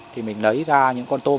thì mình lấy ra những con tôm